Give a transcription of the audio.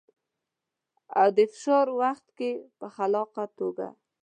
او د فشار وخت کې په خلاقه توګه.